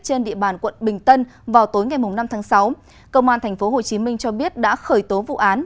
trên địa bàn quận bình tân vào tối ngày năm tháng sáu công an tp hcm cho biết đã khởi tố vụ án